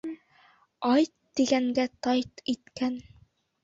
«Айт» тигәнгә «тайт» иткән.